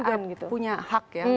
hewan itu juga punya hak ya